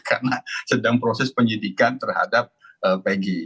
karena sedang proses penyidikan terhadap peggy